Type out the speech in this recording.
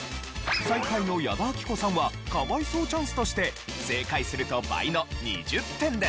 最下位の矢田亜希子さんは可哀想チャンスとして正解すると倍の２０点です。